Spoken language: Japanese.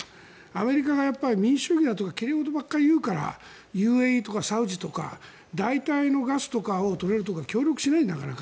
アメリカが民主主義だとか奇麗事ばっかり言うからＵＡＥとかサウジとか代替のガスを採れるところが協力しないんだから。